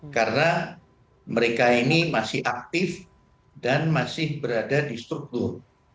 karena mereka ini masih aktif dan masih berada di struktur